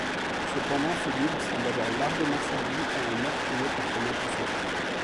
Cependant, ce livre semble avoir largement servi à un meurtrier pour commettre son forfait.